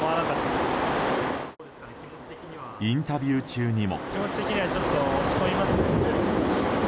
インタビュー中にも。